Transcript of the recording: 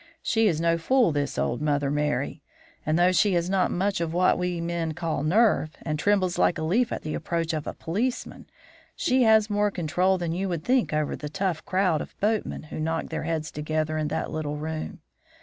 She is no fool, this old Mother Merry; and though she has not much of what we men call nerve, and trembles like a leaf at the approach of a policeman, she has more control than you would think over the tough crowd of boatmen who knock their heads together in that little room.